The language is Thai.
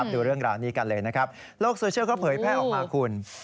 ดูเรื่องราวนี้กันเลยนะครับโลกโซเชียลเขาเผยแพร่ออกมาคุณ